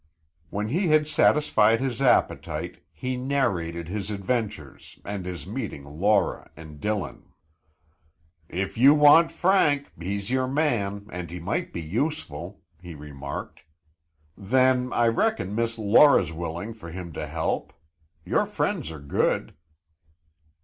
When he had satisfied his appetite he narrated his adventures and his meeting Laura and Dillon. "If you want Frank, he's your man and he might be useful," he remarked. "Then I reckon Miss Laura's willing for him to help. Your friends are good."